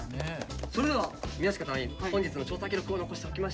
それでは宮近隊員本日の調査記録を残しておきましょう。